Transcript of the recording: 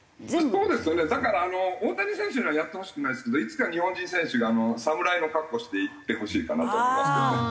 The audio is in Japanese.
そうですよねだからあの大谷選手にはやってほしくないですけどいつか日本人選手が侍の格好して行ってほしいかなと思いますけどね。